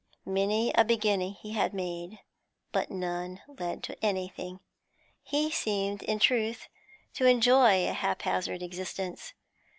Many a beginning had he made, but none led to anything; he seemed, in truth, to enjoy a haphazard existence.